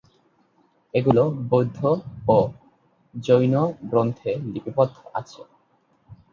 এগুলো বৌদ্ধ ও জৈন গ্রন্থে লিপিবদ্ধ আছে।